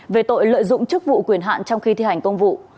về tội lợi dụng chức vụ quyền hạn trong khi thi hành công vụ